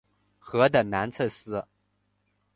河的南侧是。